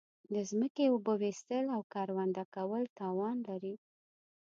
د زمکی اوبه ویستل او کرونده کول تاوان لری